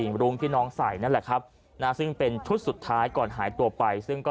รุ้งที่น้องใส่นั่นแหละครับนะซึ่งเป็นชุดสุดท้ายก่อนหายตัวไปซึ่งก็